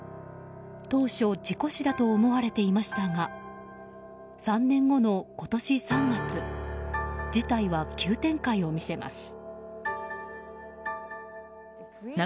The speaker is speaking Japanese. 当初事故死だと思われていましたが３年後の今年３月事態は急展開を見せます。